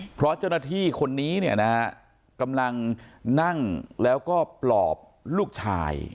เพราะเจ้าหน้าที่คนนี้เนี่ยนะฮะกำลังนั่งแล้วก็ปลอบลูกชาย